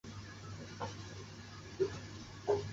全欧洲与丹麦团结一致坚持言论自由和表达自由的权利。